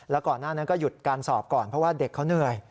แล้วก่อนหน้านั้นก็หยุดการสอบก่อนเพราะว่าเด็กเขาเหนื่อย